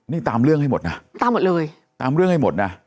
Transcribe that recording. นี่ตามเรื่องให้หมดนะตามหมดเลยตามเรื่องให้หมดนะ